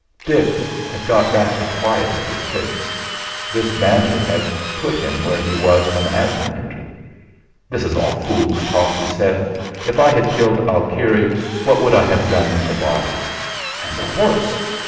Dix had got back the quiet of his face; this banter had put him where he was when Abner entered. "This is all fools' talk," he said; "if I had killed Alkire, what could I have done with the body? And the horse!